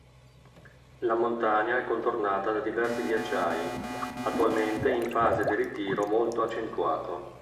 La montagna è contornata da diversi ghiacciai attualmente in fase di ritiro molto accentuato.